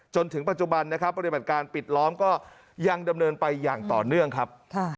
จนถึงปัจจุบันนะครับปฏิบัติการปิดล้อมก็ยังดำเนินไปอย่างต่อเนื่องครับ